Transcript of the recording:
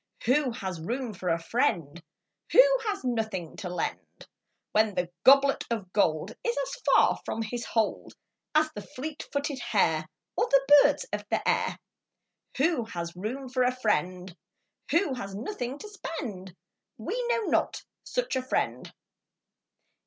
Who has room for a friend Who has nothing to lend, When the goblet of gold Is as far from his hold As the fleet footed hare, Or the birds of the air. Who has room for a friend Who has nothing to spend? We know not such a friend.